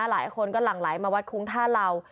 หลายคนก็หลั่งไหลมาวัดคุ้งท่าเหล่า